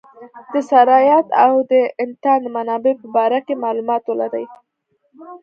د سرایت او د انتان د منابع په باره کې معلومات ولري.